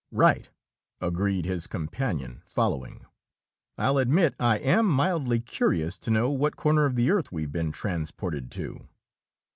"Right," agreed his companion, following. "I'll admit I am mildly curious to know what corner of the earth we've been transported to."